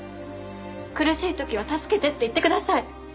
苦しい時は「助けて」って言ってください。